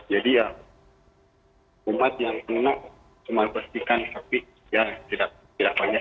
jadi ya umat yang penuh cuma bersihkan tapi ya tidak banyak